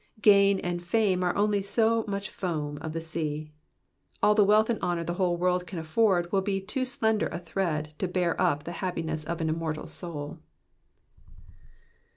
Gain and fame are only so much foam of the sea. All the wealth and honour the whole world can afford would be too slender a thread to bear up the happiness of an immortal soul.